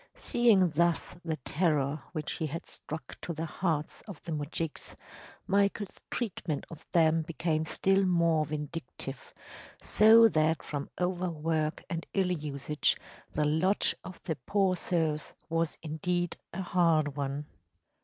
Seeing thus the terror which he had struck to the hearts of the moujiks, Michael’s treatment of them became still more vindictive, so that from over work and ill usage the lot of the poor serfs was indeed a hard one.